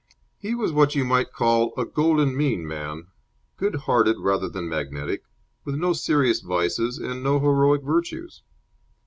He was what you might call a golden mean man, good hearted rather than magnetic, with no serious vices and no heroic virtues.